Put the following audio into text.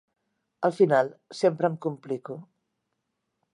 Al final, sempre em complico.